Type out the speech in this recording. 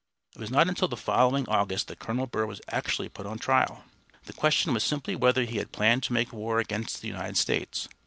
It was not until the following August that Colonel Burr was actually put on trial. The question was simply whether he had planned to make war against the United States.